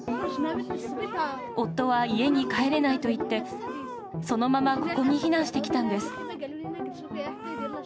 夫は家に帰れないと言って、そのままここに避難してきたんです。